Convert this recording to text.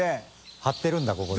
張ってるんだここで。